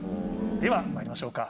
ではまいりましょうか。